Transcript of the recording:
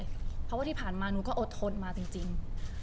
เพราะว่าที่ผ่านมาหนูก็อดทนมาจริง